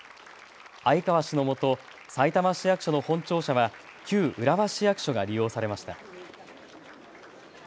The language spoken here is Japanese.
相川氏のもと、さいたま市役所の本庁舎は旧浦和市役所が利用されました。